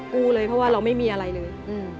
กลัวเลยเพราะว่าเราไม่มีอะไรเลย